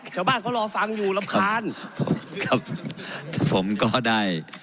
ชาวบ้านเขารอฟังอยู่รำคาญครับผมก็ได้